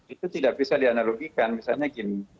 itu tidak bisa dianalogikan misalnya gini